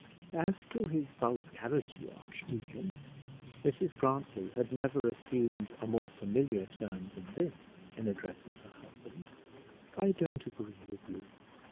"As to his vulgarity, archdeacon" (Mrs Grantly had never assumed a more familiar term than this in addressing her husband), "I don't agree with you.